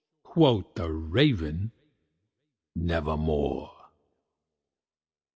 Quoth the Raven, "Nevermore."